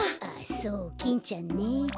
あそうキンちゃんね。